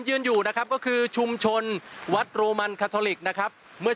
ยืนอยู่นะครับก็คือชุมชนวัดโรมันคาทอลิกนะครับเมื่อ